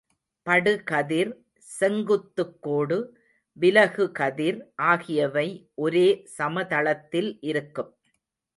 படுகதிர், செங்குத்துக்கோடு, விலகுகதிர் ஆகியவை ஒரே சமதளத்தில் இருக்கும்.